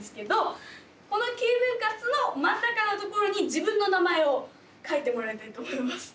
この９分割の真ん中のところに自分の名前を書いてもらいたいと思います。